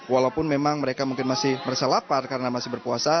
walaupun memang mereka mungkin masih merasa lapar karena masih berpuasa